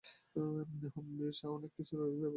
হুম, বেশ আমাদের অনেক কিছুর ব্যাপারেই তুমি বোঝো না, গর্দভ।